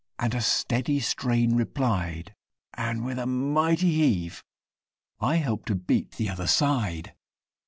and a steady strain replied, And, with a mighty heave, I helped to beat the other side!